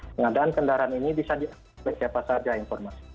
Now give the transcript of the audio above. pengadaan kendaraan ini bisa diakses oleh siapa saja informasi